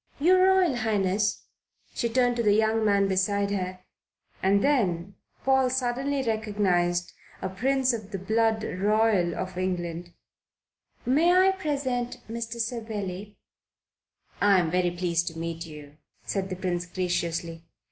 "Your Royal Highness," she turned to the young man beside her and then Paul suddenly recognized a prince of the blood royal of England "may I present Mr. Savelli." "I'm very pleased to meet you," said the Prince graciously.